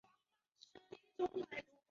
原本作为输送船团而被逼撤退。